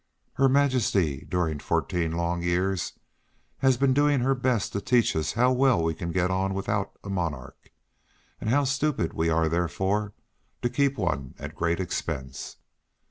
Her Majesty during fourteen long years has been doing her best to teach us how well we can get on without a monarch, and how stupid we are therefore to keep one at a great expense.